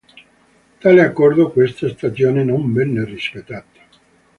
Tale accordo questa stagione non venne rispettato.